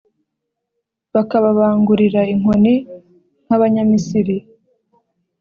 bakababangurira inkoni, nk’Abanyamisiri,